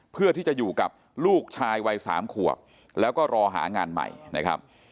เพื่อที่จะอยู่กับลูกชายวัย๓ขวบแล้วก็รอหางานใหม่นะครับ